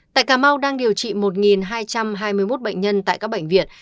tại cà mau đang điều trị một hai trăm hai mươi một bệnh nhân tại các bệnh viện